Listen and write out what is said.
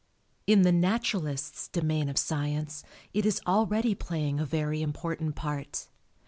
In the naturalist's domain of science it is already playing a very important part.